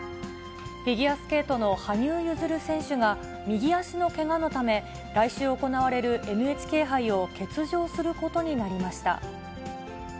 フィギュアスケートの羽生結弦選手が、右足のけがのため、来週行われるＮＨＫ杯を欠場することになりました。